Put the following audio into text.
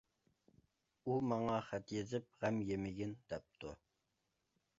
-ئۇ ماڭا خەت يېزىپ، غەم يېمىگىن، دەپتۇ!